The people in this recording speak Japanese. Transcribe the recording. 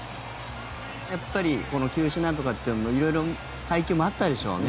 やっぱり球種なんとかってのも色々、配球もあったでしょうね。